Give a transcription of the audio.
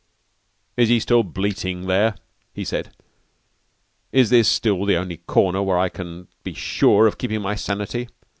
"Is he still bleating there?" he said. "Is this still the only corner where I can be sure of keeping my sanity?